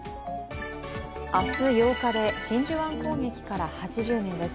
明日８日で真珠湾攻撃から８０年です。